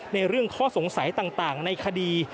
ในเรื่องข้อสงสัยต่างในคดี